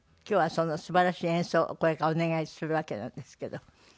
今日はそのすばらしい演奏をこれからお願いするわけなんですけど。